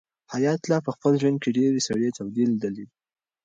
حیات الله په خپل ژوند کې ډېرې سړې تودې لیدلې دي.